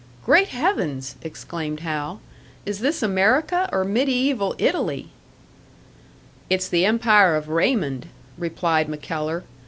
"Great heavens!" exclaimed Hal. "Is this America, or mediaeval Italy?" "It's the Empire of Raymond," replied MacKellar.